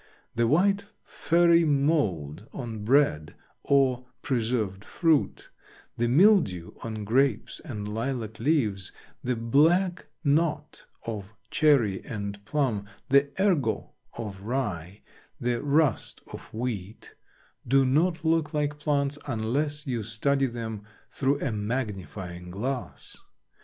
The white furry "mould" on bread or preserved fruit, the "mildew" on grapes and lilac leaves, the "black knot" of cherry and plum, the "ergot" of rye, the "rust" of wheat, do not look like plants unless you study them through a magnifying glass.